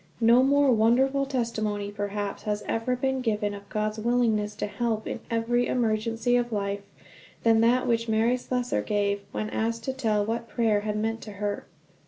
No more wonderful testimony, perhaps, has ever been given of God's willingness to help in every emergency of life, than that which Mary Slessor gave, when asked to tell what prayer had meant to her.